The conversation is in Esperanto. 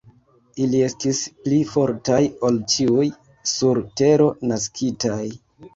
Ili estis pli fortaj ol ĉiuj, sur tero naskitaj.